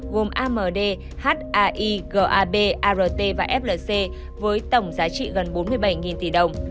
gồm amd haii gab art và flc với tổng giá trị gần bốn mươi bảy tỷ đồng